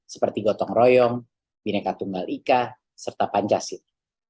seperti gotong royong bineka tunggal ika serta pancasila